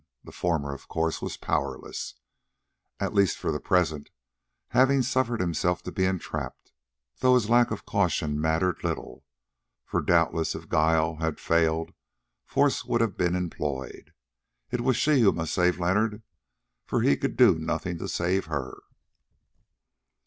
The former, of course, was powerless, at least for the present, having suffered himself to be entrapped, though his lack of caution mattered little, for doubtless if guile had failed, force would have been employed. It was she who must save Leonard, for he could do nothing to save her.